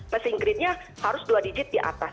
pes inggrisnya harus dua digit di atas